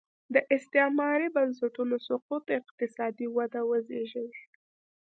د استعماري بنسټونو سقوط اقتصادي وده وزېږوي.